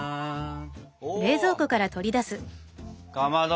おかまど。